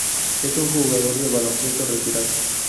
Es un jugador de baloncesto retirado.